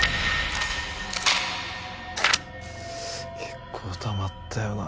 結構たまったよな。